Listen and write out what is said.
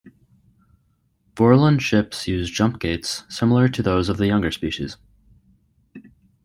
Vorlon ships use jumpgates similar to those of the younger species.